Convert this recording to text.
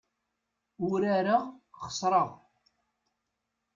Urareɣ, xesreɣ.